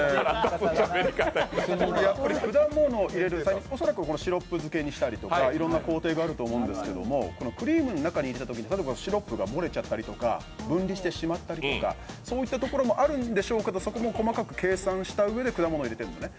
やっぱり果物入れるとシロップ漬けにしたりとかいろんな工程があると思うんですけどクリームの中に入れたときにシロップが漏れちゃったりとか分離してしまったりとかそういったところもあるんでしょうけどもそこも細かく計算したうえで果物を入れてるのね。